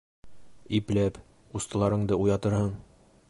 Ипләп, ҡустыларыңды уятырһың!